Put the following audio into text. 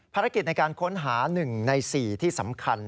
ภารกิจในการค้นหา๑ใน๔ที่สำคัญ